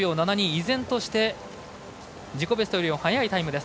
依然として自己ベストより速いタイムです。